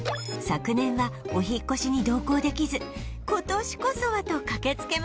昨年はお引っ越しに同行できず今年こそはと駆けつけました